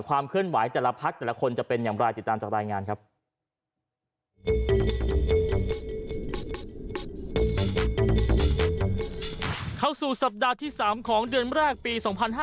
ความเคลื่อนไหวแต่ละพักแต่ละคนจะเป็นอย่างไร